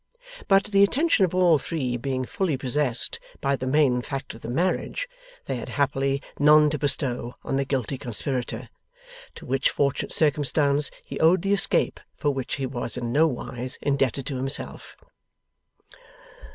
But, the attention of all three being fully possessed by the main fact of the marriage, they had happily none to bestow on the guilty conspirator; to which fortunate circumstance he owed the escape for which he was in nowise indebted to himself.